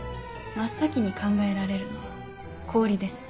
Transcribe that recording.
真っ先に考えられるのは氷です。